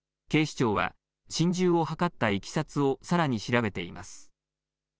警視庁は心中を図ったいきさつをさらに調べています。